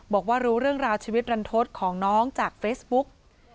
บอกว่ารู้เรื่องราวชีวิตรันทศของน้องจากเฟซบุ๊ก